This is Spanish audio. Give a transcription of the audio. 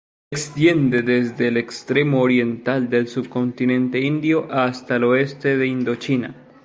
Se extiende desde el extremo oriental del subcontinente indio hasta el oeste de Indochina.